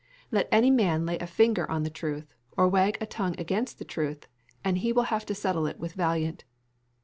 Let any man lay a finger on the truth, or wag a tongue against the truth, and he will have to settle it with Valiant.